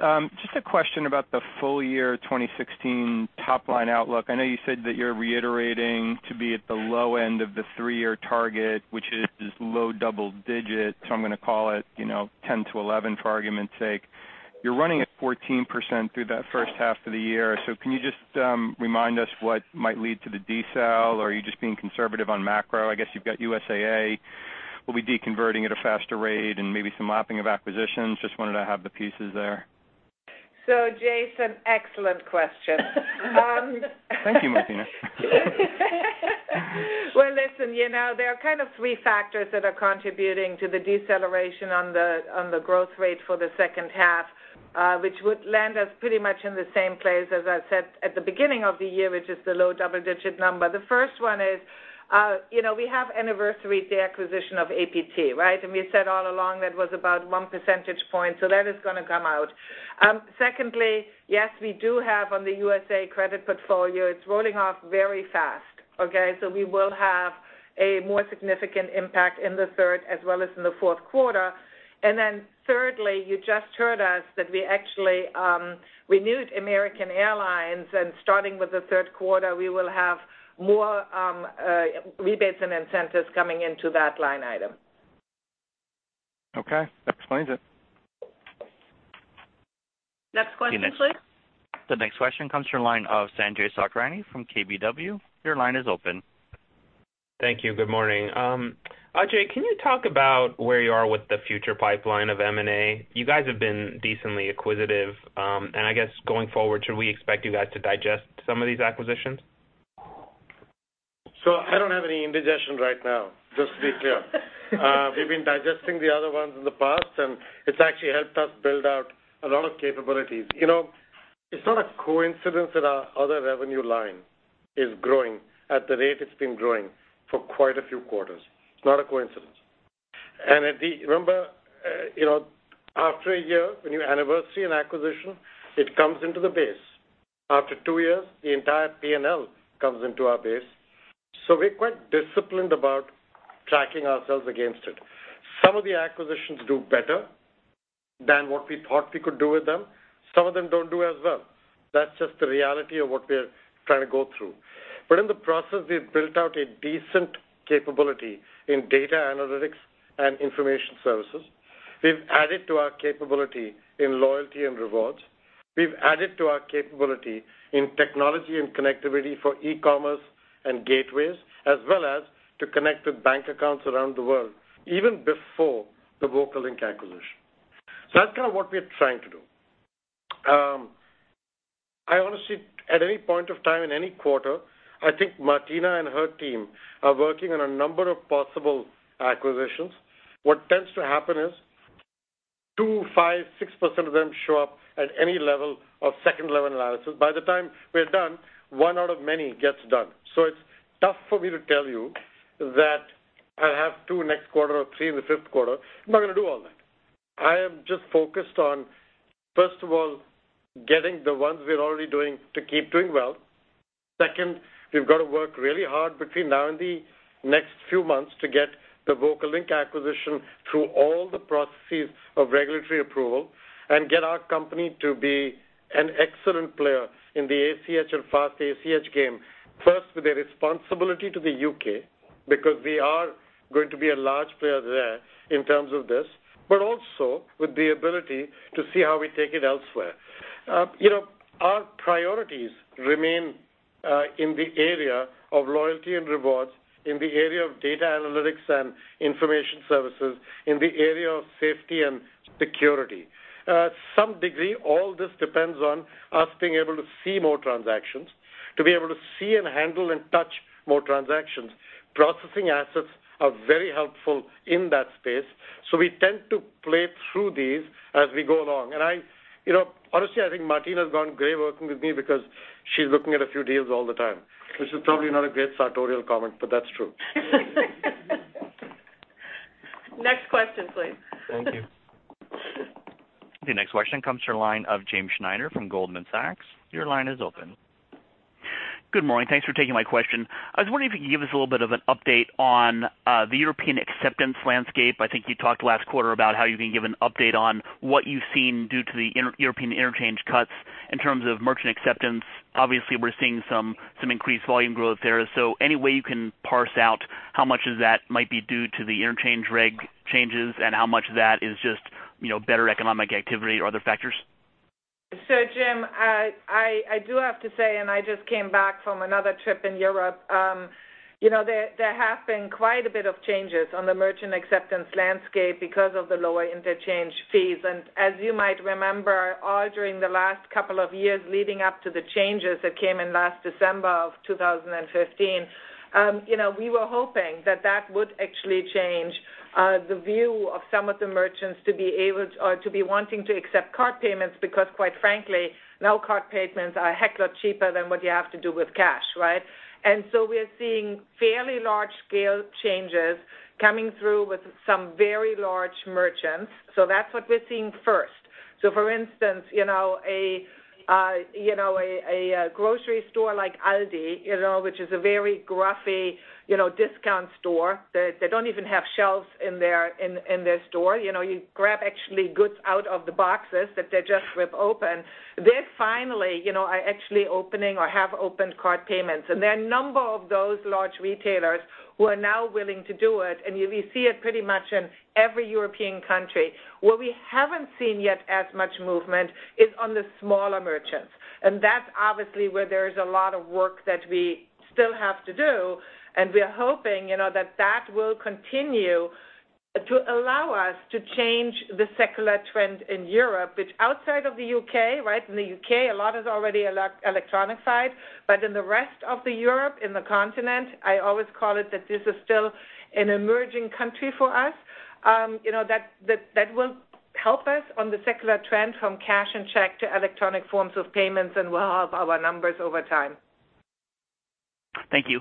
Just a question about the full year 2016 top-line outlook. I know you said that you're reiterating to be at the low end of the three-year target, which is low double digit. I'm going to call it 10-11, for argument's sake. You're running at 14% through that first half of the year. Can you just remind us what might lead to the decel? Or are you just being conservative on macro? I guess you've got USAA will be deconverting at a faster rate and maybe some lapping of acquisitions. Just wanted to have the pieces there. Jason, excellent question. Thank you, Martina. Well, listen, there are kind of three factors that are contributing to the deceleration on the growth rate for the second half, which would land us pretty much in the same place as I said at the beginning of the year, which is the low double-digit number. The first one is, we have anniversaryed the acquisition of APT, right? We said all along that was about one percentage point. That is going to come out. Secondly, yes, we do have on the USAA credit portfolio, it's rolling off very fast, okay? We will have a more significant impact in the third as well as in the fourth quarter. Thirdly, you just heard us that we actually renewed American Airlines, and starting with the third quarter, we will have more rebates and incentives coming into that line item. Okay, that explains it. Next question, please. The next question comes from the line of Sanjay Sakhrani from KBW. Your line is open. Thank you. Good morning. Ajay, can you talk about where you are with the future pipeline of M&A? You guys have been decently acquisitive. I guess going forward, should we expect you guys to digest some of these acquisitions? I don't have any indigestion right now, just to be clear. We've been digesting the other ones in the past, and it's actually helped us build out a lot of capabilities. It's not a coincidence that our other revenue line is growing at the rate it's been growing for quite a few quarters. It's not a coincidence. Remember, after a year, when you anniversary an acquisition, it comes into the base. After two years, the entire P&L comes into our base. We're quite disciplined about tracking ourselves against it. Some of the acquisitions do better than what we thought we could do with them. Some of them don't do as well. That's just the reality of what we're trying to go through. In the process, we've built out a decent capability in data analytics and information services. We've added to our capability in loyalty and rewards. We've added to our capability in technology and connectivity for e-commerce and gateways, as well as to connect with bank accounts around the world, even before the VocaLink acquisition. That's kind of what we're trying to do. I honestly, at any point of time in any quarter, I think Martina and her team are working on a number of possible acquisitions. What tends to happen is 2%, 5%, 6% of them show up at any level of second-level analysis. By the time we're done, one out of many gets done. It's tough for me to tell you that I have two next quarter or three in the fifth quarter. I'm not going to do all that. I am just focused on, first of all, getting the ones we're already doing to keep doing well. Second, we've got to work really hard between now and the next few months to get the VocaLink acquisition through all the processes of regulatory approval and get our company to be an excellent player in the ACH and fast ACH game, first with a responsibility to the U.K., because we are going to be a large player there in terms of this, but also with the ability to see how we take it elsewhere. Our priorities remain in the area of loyalty and rewards, in the area of data analytics and information services, in the area of safety and security. To some degree, all this depends on us being able to see more transactions, to be able to see and handle and touch more transactions. Processing assets are very helpful in that space. We tend to play through these as we go along. Honestly, I think Martina's gone gray working with me because she's looking at a few deals all the time, which is probably not a great sartorial comment, but that's true. Next question, please. Thank you. The next question comes from the line of James Schneider from Goldman Sachs. Your line is open. Good morning. Thanks for taking my question. I was wondering if you could give us a little bit of an update on the European acceptance landscape. I think you talked last quarter about how you can give an update on what you've seen due to the European interchange cuts in terms of merchant acceptance. Obviously, we're seeing some increased volume growth there. Any way you can parse out how much of that might be due to the interchange reg changes and how much of that is just better economic activity or other factors? Jim, I do have to say, I just came back from another trip in Europe. There have been quite a bit of changes on the merchant acceptance landscape because of the lower interchange fees. As you might remember, all during the last couple of years leading up to the changes that came in last December of 2015, we were hoping that that would actually change the view of some of the merchants to be wanting to accept card payments because quite frankly, now card payments are a heck lot cheaper than what you have to do with cash, right? We're seeing fairly large-scale changes coming through with some very large merchants. That's what we're seeing first. For instance, a grocery store like ALDI, which is a very grubby discount store. They don't even have shelves in their store. You grab actually goods out of the boxes that they just rip open. They finally are actually opening or have opened card payments. There are a number of those large retailers who are now willing to do it, and we see it pretty much in every European country. Where we haven't seen yet as much movement is on the smaller merchants. That's obviously where there's a lot of work that we still have to do, and we are hoping that that will continue to allow us to change the secular trend in Europe, which outside of the U.K., right? In the U.K., a lot is already electronic-ified. In the rest of the Europe, in the continent, I always call it that this is still an emerging country for us. That will help us on the secular trend from cash and check to electronic forms of payments, and will help our numbers over time. Thank you.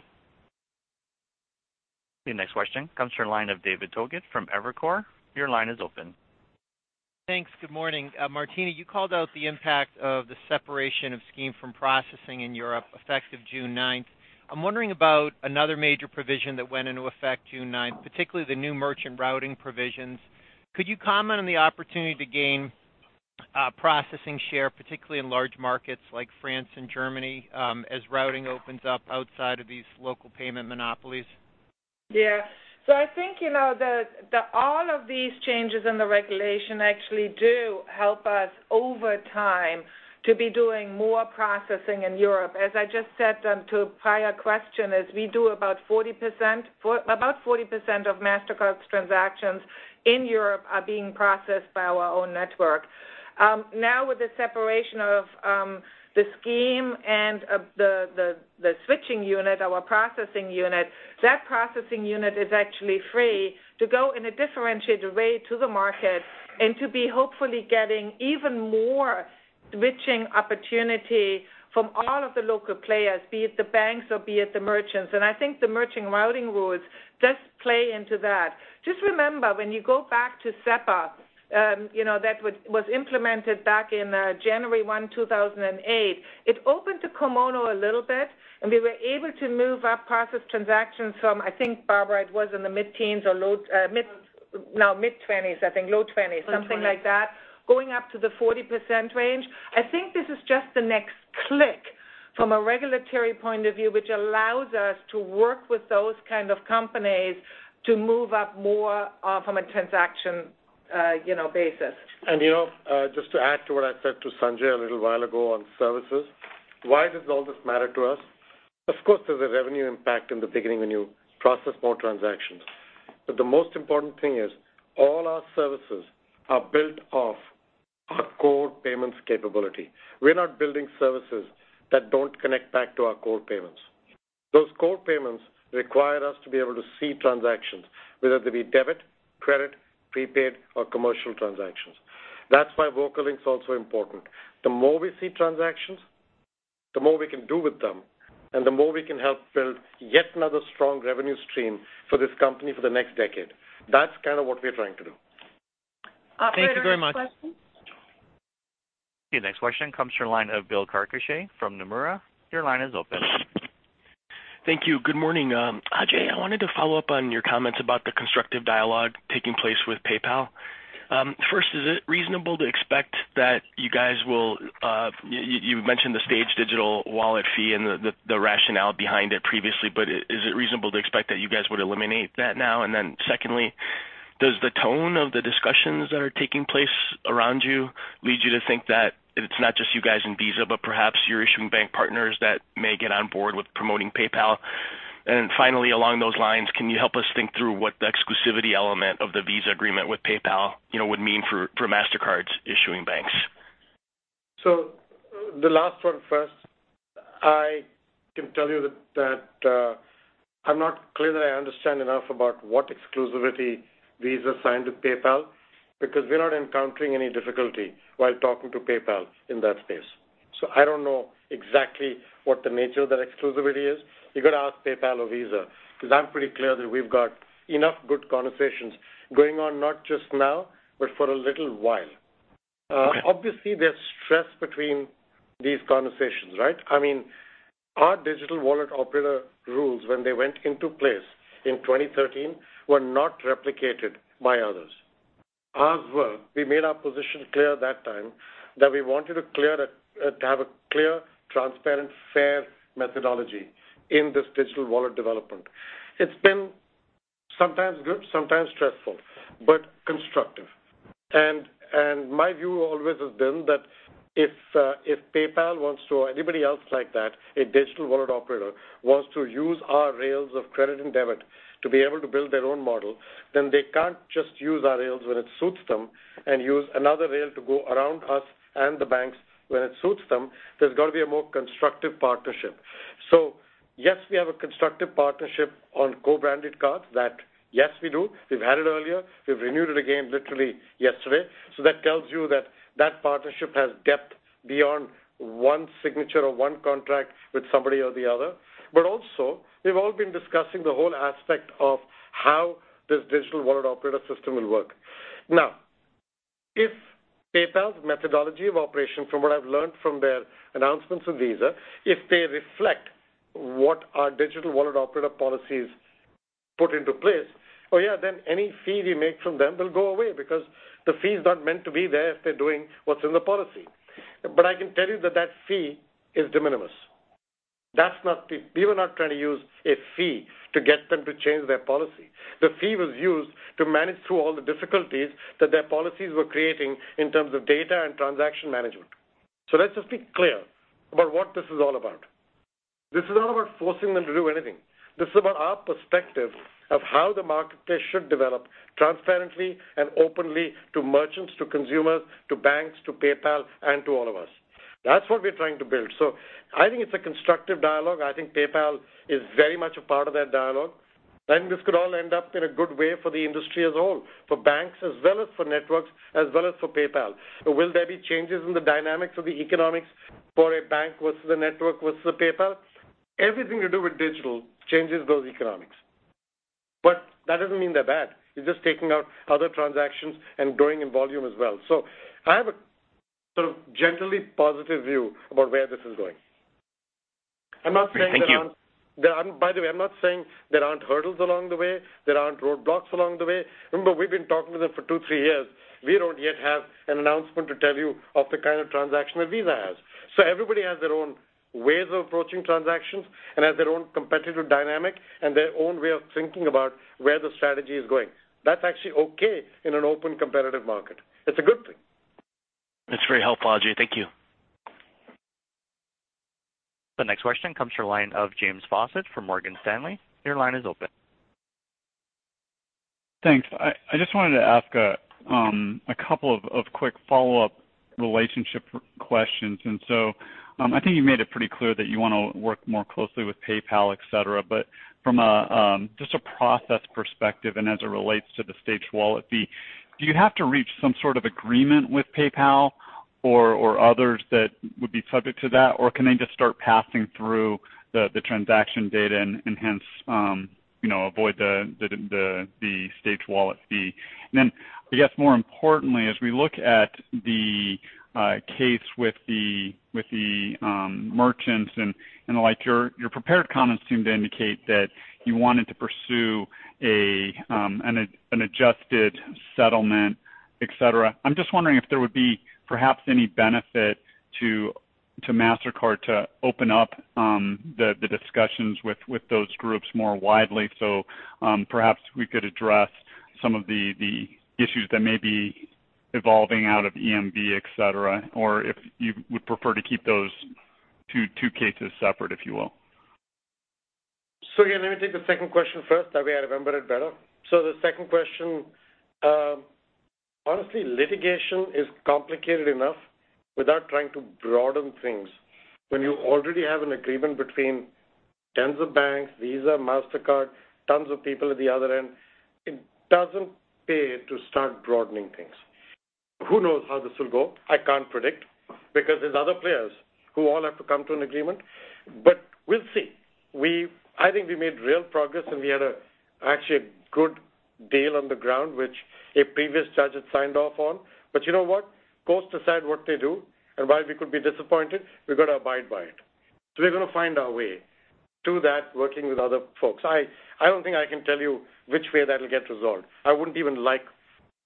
The next question comes from the line of David Togut from Evercore. Your line is open. Thanks. Good morning. Martina, you called out the impact of the separation of scheme from processing in Europe effective June 9th. I'm wondering about another major provision that went into effect June 9th, particularly the new merchant routing provisions. Could you comment on the opportunity to gain processing share, particularly in large markets like France and Germany, as routing opens up outside of these local payment monopolies. I think that all of these changes in the regulation actually do help us over time to be doing more processing in Europe. As I just said to a prior question, as we do about 40% of Mastercard's transactions in Europe are being processed by our own network. Now with the separation of the scheme and the switching unit, our processing unit, that processing unit is actually free to go in a differentiated way to the market and to be hopefully getting even more switching opportunity from all of the local players, be it the banks or be it the merchants. I think the merchant routing rules does play into that. Just remember, when you go back to SEPA that was implemented back in January 1, 2008, it opened to kimono a little bit, and we were able to move our processed transactions from, I think, Barbara, it was in the mid-teens. Low no, mid-20s, I think. Low 20s. Low 20s. Something like that. Going up to the 40% range. I think this is just the next click from a regulatory point of view, which allows us to work with those kind of companies to move up more from a transaction basis. Just to add to what I said to Sanjay a little while ago on services, why does all this matter to us? Of course, there's a revenue impact in the beginning when you process more transactions. The most important thing is all our services are built off our core payments capability. We're not building services that don't connect back to our core payments. Those core payments require us to be able to see transactions, whether they be debit, credit, prepaid, or commercial transactions. That's why VocaLink's also important. The more we see transactions, the more we can do with them, and the more we can help build yet another strong revenue stream for this company for the next decade. That's kind of what we're trying to do. Operator, next question. Thank you very much. Okay, next question comes from the line of Bill Carcache from Nomura. Your line is open. Thank you. Good morning. Ajay, I wanted to follow up on your comments about the constructive dialogue taking place with PayPal. First, you mentioned the staged digital wallet fee and the rationale behind it previously, but is it reasonable to expect that you guys would eliminate that now? Secondly, does the tone of the discussions that are taking place around you lead you to think that it's not just you guys and Visa, but perhaps your issuing bank partners that may get on board with promoting PayPal? Finally, along those lines, can you help us think through what the exclusivity element of the Visa agreement with PayPal would mean for Mastercard's issuing banks? The last one first. I can tell you that I'm not clear that I understand enough about what exclusivity Visa signed with PayPal, because we're not encountering any difficulty while talking to PayPal in that space. I don't know exactly what the nature of that exclusivity is. You got to ask PayPal or Visa, because I'm pretty clear that we've got enough good conversations going on, not just now, but for a little while. Okay. Obviously, there's stress between these conversations, right? Our digital wallet operator rules when they went into place in 2013 were not replicated by others. Ours were. We made our position clear that time that we wanted to have a clear, transparent, fair methodology in this digital wallet development. It's been sometimes good, sometimes stressful, but constructive. My view always has been that if PayPal wants to or anybody else like that, a digital wallet operator, wants to use our rails of credit and debit to be able to build their own model, then they can't just use our rails when it suits them and use another rail to go around us and the banks when it suits them. There's got to be a more constructive partnership. Yes, we have a constructive partnership on co-branded cards that yes, we do. We've had it earlier. We've renewed it again literally yesterday. That tells you that that partnership has depth beyond one signature or one contract with somebody or the other. Also, we've all been discussing the whole aspect of how this digital wallet operator system will work. Now, if PayPal's methodology of operation from what I've learned from their announcements with Visa, if they reflect what our digital wallet operator policies put into place, oh yeah, then any fee we make from them will go away because the fee's not meant to be there if they're doing what's in the policy. I can tell you that fee is de minimis. We were not trying to use a fee to get them to change their policy. The fee was used to manage through all the difficulties that their policies were creating in terms of data and transaction management. Let's just be clear about what this is all about. This is not about forcing them to do anything. This is about our perspective of how the marketplace should develop transparently and openly to merchants, to consumers, to banks, to PayPal, and to all of us. That's what we're trying to build. I think it's a constructive dialogue. I think PayPal is very much a part of that dialogue. This could all end up in a good way for the industry as a whole, for banks as well as for networks, as well as for PayPal. Will there be changes in the dynamics of the economics for a bank versus the network versus the PayPal? Everything to do with digital changes those economics. That doesn't mean they're bad. You're just taking out other transactions and growing in volume as well. I have a sort of generally positive view about where this is going. I'm not saying there aren't Thank you By the way, I'm not saying there aren't hurdles along the way, there aren't roadblocks along the way. Remember, we've been talking with them for two, three years. We don't yet have an announcement to tell you of the kind of transaction that Visa has. Everybody has their own ways of approaching transactions and has their own competitive dynamic and their own way of thinking about where the strategy is going. That's actually okay in an open competitive market. It's a good thing. That's very helpful, Ajay. Thank you. The next question comes from the line of James Faucette from Morgan Stanley. Your line is open. Thanks. I just wanted to ask a couple of quick follow-up relationship questions. I think you made it pretty clear that you want to work more closely with PayPal, et cetera. From just a process perspective and as it relates to the staged wallet fee, do you have to reach some sort of agreement with PayPal or others that would be subject to that? Can they just start passing through the transaction data and hence avoid the staged wallet fee? I guess more importantly, as we look at the case with the merchants and the like, your prepared comments seem to indicate that you wanted to pursue an adjusted settlement, et cetera. I'm just wondering if there would be perhaps any benefit to Mastercard to open up the discussions with those groups more widely so perhaps we could address some of the issues that may be evolving out of EMV, et cetera, or if you would prefer to keep those two cases separate, if you will. Again, let me take the second question first. That way I remember it better. The second question, honestly, litigation is complicated enough without trying to broaden things. When you already have an agreement between tens of banks, Visa, Mastercard, tons of people at the other end, it doesn't pay to start broadening things. Who knows how this will go? I can't predict because there's other players who all have to come to an agreement, We'll see. I think we made real progress, and we had actually a good deal on the ground, which a previous judge had signed off on. You know what? Courts decide what they do. While we could be disappointed, we've got to abide by it. We're going to find our way to that, working with other folks. I don't think I can tell you which way that'll get resolved. I wouldn't even like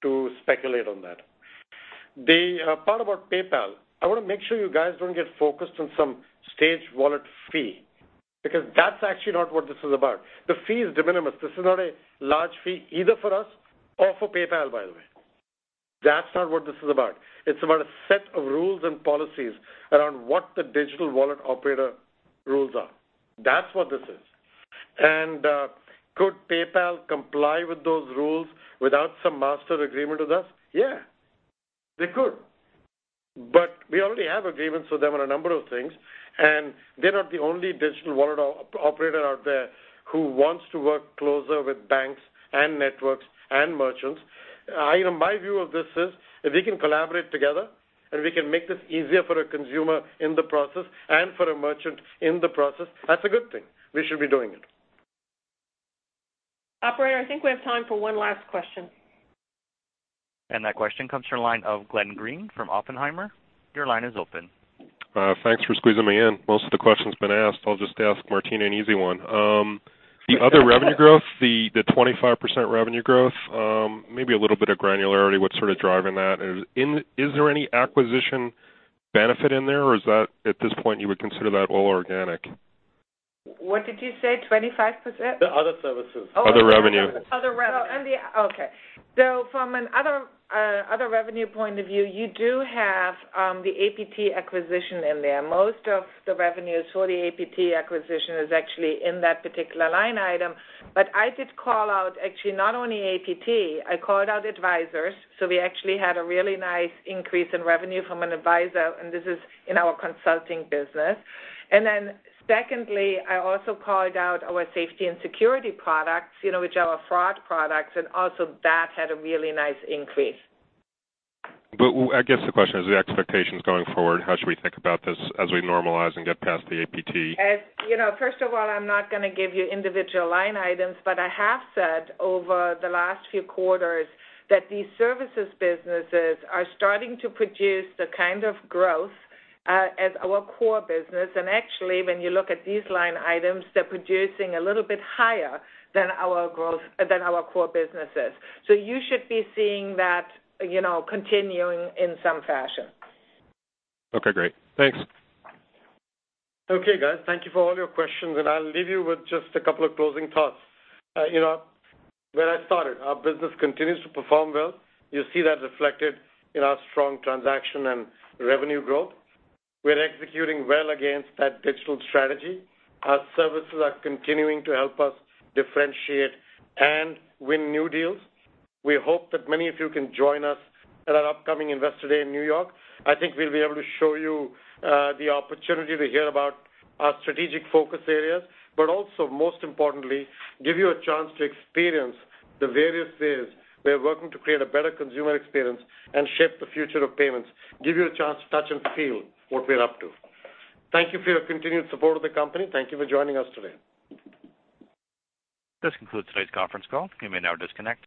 to speculate on that. The part about PayPal, I want to make sure you guys don't get focused on some staged wallet fee because that's actually not what this is about. The fee is de minimis. This is not a large fee either for us or for PayPal, by the way. That's not what this is about. It's about a set of rules and policies around what the digital wallet operator rules are. That's what this is. Could PayPal comply with those rules without some master agreement with us? Yeah, they could. We already have agreements with them on a number of things, and they're not the only digital wallet operator out there who wants to work closer with banks and networks and merchants. My view of this is if we can collaborate together and we can make this easier for a consumer in the process and for a merchant in the process, that's a good thing. We should be doing it. Operator, I think we have time for one last question. That question comes from the line of Glenn Greene from Oppenheimer. Your line is open. Thanks for squeezing me in. Most of the questions have been asked. I'll just ask Martina an easy one. The other revenue growth, the 25% revenue growth, maybe a little bit of granularity, what's sort of driving that? Is there any acquisition benefit in there, or is that at this point you would consider that all organic? What did you say? 25%? The other services. Other revenue. Oh, other revenue. Okay. From other revenue point of view, you do have the APT acquisition in there. Most of the revenues for the APT acquisition is actually in that particular line item. I did call out actually not only APT, I called out Advisors. We actually had a really nice increase in revenue from an Advisor, and this is in our consulting business. Secondly, I also called out our safety and security products, which are our fraud products, and also that had a really nice increase. I guess the question is the expectations going forward. How should we think about this as we normalize and get past the APT? First of all, I'm not going to give you individual line items, but I have said over the last few quarters that these services businesses are starting to produce the kind of growth as our core business. Actually, when you look at these line items, they're producing a little bit higher than our core businesses. You should be seeing that continuing in some fashion. Okay, great. Thanks. Okay, guys. Thank you for all your questions, and I'll leave you with just a couple of closing thoughts. Where I started, our business continues to perform well. You see that reflected in our strong transaction and revenue growth. We're executing well against that digital strategy. Our services are continuing to help us differentiate and win new deals. We hope that many of you can join us at our upcoming Investor Day in New York. I think we'll be able to show you the opportunity to hear about our strategic focus areas, but also most importantly, give you a chance to experience the various ways we are working to create a better consumer experience and shape the future of payments, give you a chance to touch and feel what we're up to. Thank you for your continued support of the company. Thank you for joining us today. This concludes today's conference call. You may now disconnect.